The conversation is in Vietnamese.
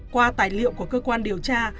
qua tài liệu của cơ quan điều tra